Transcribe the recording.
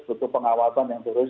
butuh pengawasan yang terus